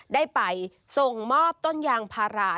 ได้ไปส่งมอบต้นยางพารา